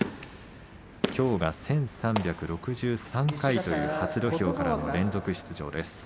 きょうが１３６３回という初土俵からの連続出場です。